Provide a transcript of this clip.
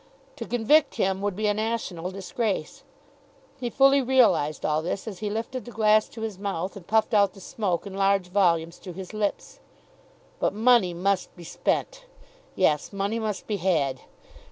To convict him would be a national disgrace. He fully realised all this as he lifted the glass to his mouth, and puffed out the smoke in large volumes through his lips. But money must be spent! Yes; money must be had!